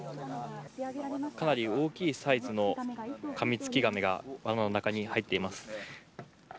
かなり大きいサイズのカミツキガメがわなの中に入っています。